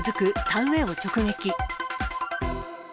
田植えを直撃。